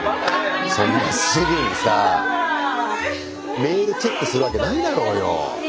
そんなすぐにさメールチェックするわけないだろうよ。